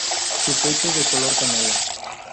Su pecho es de color canela.